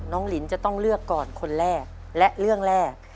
ลินจะต้องเลือกก่อนคนแรกและเรื่องแรก